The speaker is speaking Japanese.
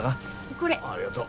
おっありがとう。